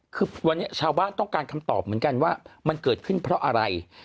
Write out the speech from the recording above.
คือวันนี้ชาวบ้านต้องการคำตอบเหมือนกันว่ามันเกิดขึ้นเพราะอะไร